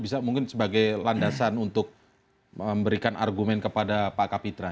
bisa mungkin sebagai landasan untuk memberikan argumen kepada pak kapitra